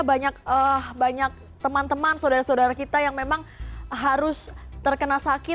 banyak teman teman saudara saudara kita yang memang harus terkena sakit